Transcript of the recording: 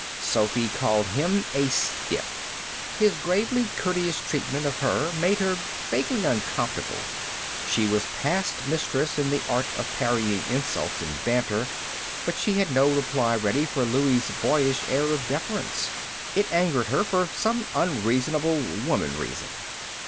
Sophy called him a stiff. His gravely courteous treatment of her made her vaguely uncomfortable. She was past mistress in the art of parrying insults and banter, but she had no reply ready for Louie's boyish air of deference. It angered her for some unreasonable woman reason.